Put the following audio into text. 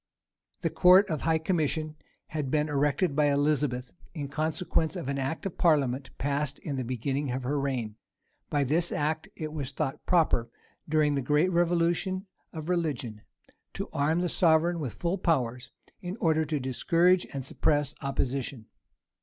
The court of high commission had been erected by Elizabeth, in consequence of an act of parliament passed in the beginning of her reign: by this act it was thought proper during the great revolution of religion, to arm the sovereign with full powers, in order to discourage and suppress opposition.